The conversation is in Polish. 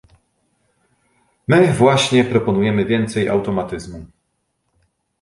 My właśnie proponujemy więcej automatyzmu